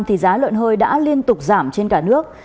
thì giá lợn hơi đã liên tục giảm trên cả nước